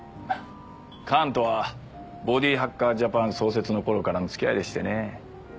カーンとはボディハッカージャパン創設の頃からの付き合いでしてね。